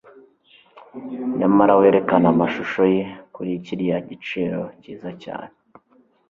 Nyamara werekane amashusho ye kuri kiriya giciro cyiza cyane